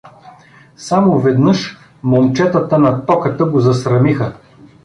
Само веднъж „момчетата“ на Токата го засрамиха.